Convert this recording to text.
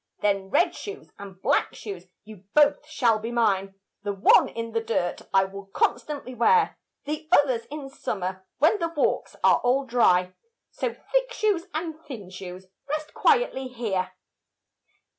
Then red shoes and black shoes, you both shall be mine, The one in the dirt I will constantly wear, The others in summer, when the walks are all dry: So thick shoes and thin shoes rest quietly here.